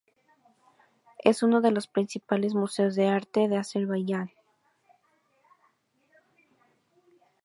Es uno de los principales museos de arte de Azerbaiyán.